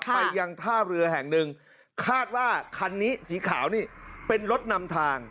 ไปยังท่าเรือแห่งหนึ่งคาดว่าคันนี้สีขาวนี่เป็นรถนำทาง